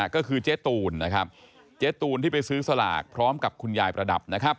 ก็คือเจ๊ตูลที่ไปซื้อสลากพร้อมกับคุณยายประดับ